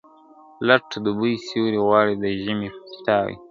لټ د دوبي سیوری غواړي د ژمي پیتاوی ,